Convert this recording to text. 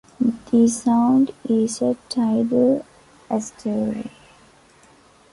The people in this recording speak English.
The sound is a tidal estuary.